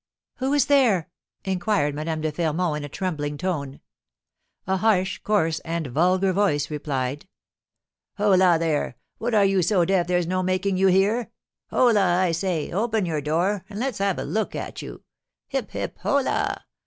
"Who is there?" inquired Madame de Fermont, in a trembling tone. A harsh, coarse, and vulgar voice replied, "Holloa, there! What, are you so deaf there's no making you hear? Holloa, I say, open your door; and let's have a look at you. Hip, hip, holloa!